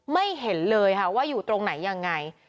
ไม่เห็นเลยค่ะว่าอยู่ตรงไหนยังไง